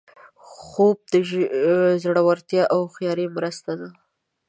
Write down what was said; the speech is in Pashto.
خوب د زړورتیا او هوښیارۍ مرسته ده